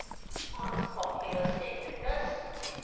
"What's cocculus indicus?"